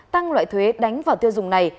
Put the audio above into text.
tăng loại thuế đánh vào tiêu dùng này